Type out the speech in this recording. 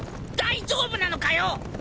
大丈夫なのかよ！